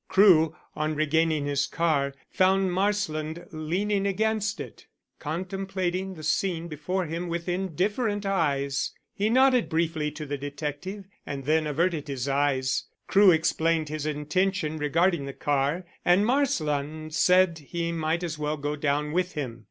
Crewe, on regaining his car, found Marsland leaning against it, contemplating the scene before him with indifferent eyes. He nodded briefly to the detective, and then averted his eyes. Crewe explained his intention regarding the car, and Marsland said he might as well go down with him.